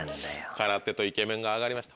空手とイケメンが上がりました